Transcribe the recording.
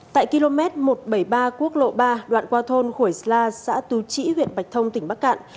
tại km một trăm bảy mươi ba quốc lộ ba đoạn qua thôn khuổi sla xã tú trĩ huyện bạch thông tỉnh bắc cạn